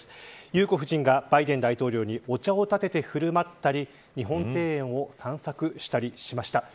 裕子夫人がバイデン大統領にお茶で振る舞ったり日本庭園を散策したりしました。